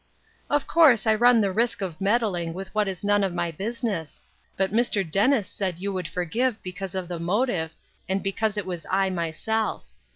" Of course I run the risk of meddling with what is none of my business ; but Mr. Dennis said you would forgive because of the motive, and be cause it was I myself.